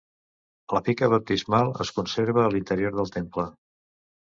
La pica baptismal es conserva a l'interior del temple.